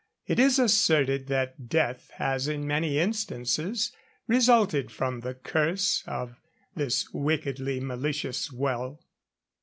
It is asserted that death has in many instances resulted from the curse of this wickedly malicious well.